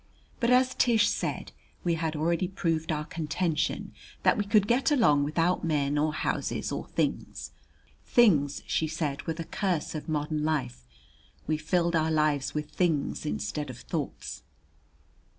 But, as Tish said, we had already proved our contention that we could get along without men or houses or things. Things, she said, were the curse of modern life; we filled our lives with things instead of thoughts.